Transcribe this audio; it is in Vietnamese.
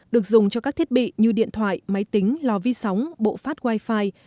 được dùng cho các thiết bị như điện thoại máy tính lò vi sóng bộ phát wifi